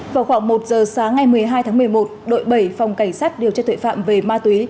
vào khoảng một giờ sáng ngày một mươi hai tháng một mươi một đội bảy phòng cảnh sát điều tra tuệ phạm về ma túy